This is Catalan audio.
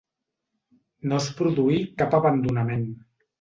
No es produí cap abandonament.